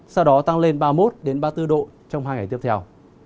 sau đó tăng lên ba mươi một ba mươi bốn độ trong hai ngày tiếp theo